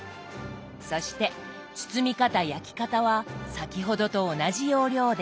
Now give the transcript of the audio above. そして包み方焼き方は先ほどと同じ要領で。